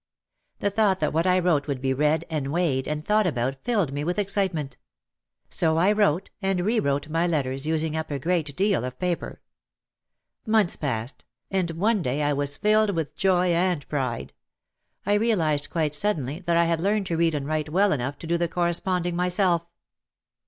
The thought that what I wrote would be read and weighed and thought about filled me with excitement. So I wrote and re wrote my letters using up a great deal of paper. Months passed, and one day I was filled with joy and pride. I realised quite suddenly that I had learned to read and write well enough to do the corre sponding myself.